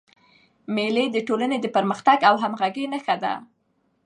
مېلې د ټولني د پرمختګ او همږغۍ نخښه ده.